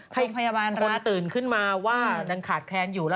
เพราะให้คนตื่นขึ้นมาว่าดังขาดแทนอยู่